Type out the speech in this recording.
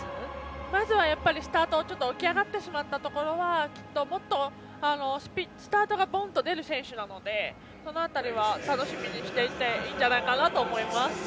まずはスタート、ちょっと起き上がってしまったところはきっともっと、スタートがボンと出る選手なのでその辺りは楽しみにしていていいんじゃないかなと思います。